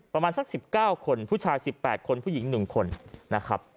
ประมาณสัก๑๙คนผู้ชาย๑๘คนผู้หญิง๑คนนะครับ